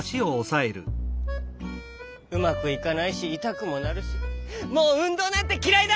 うまくいかないしいたくもなるしもううんどうなんてきらいだ！